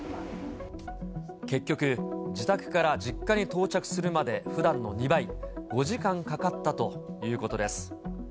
結局、自宅から実家に到着するまでふだんの２倍、５時間かかったということです。